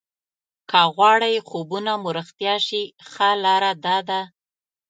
که غواړئ خوبونه مو رښتیا شي ښه لاره داده.